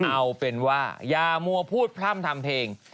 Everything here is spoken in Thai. เอาเป็นว่าอย่ามัวพูดพร่ำทำเพลง